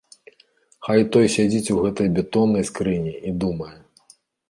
Хай той сядзіць у гэтай бетоннай скрыні і думае.